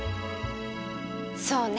そうね。